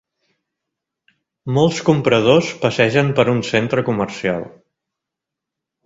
Molts compradors passegen per un centre comercial.